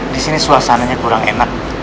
disini suasananya kurang enak